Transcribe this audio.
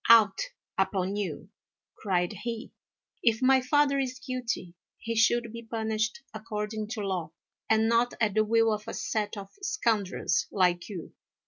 "Out upon you!" cried he; "if my father is guilty he should be punished according to law, and not at the will of a set of scoundrels like you."